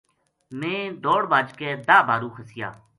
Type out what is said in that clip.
میں دوڑ بھج کے داہ بھارو خسیا